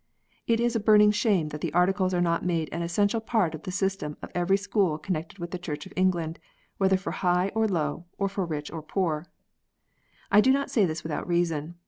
It is a burning shame that the Articles are not made an essential part of the system of every school connected with the Church of England, whether for high or low, for rich or poor. I do not say this without reason.